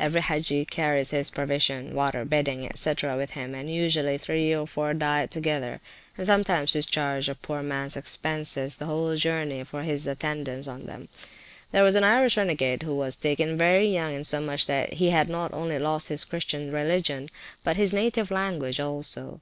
Every Hagge carries his provisions, water, bedding, &c., with him, and usually three or four diet together, and sometimes discharge a poor mans expenses the whole journey for his attendance on them. There was an Irish renegade, who was taken very young, insomuch that he had not only lost his Christian religion, but his native language also.